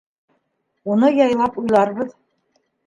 Уны яйлап уйларбыҙ.